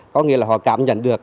có nghĩa là họ cảm nhận được